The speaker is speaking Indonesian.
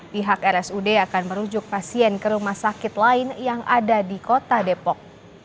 pihak rsud akan merujuk pasien ke rumah sakit lain yang ada di kota depok